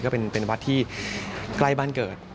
ก็เป็นวัดที่ใกล้บ้านเกิด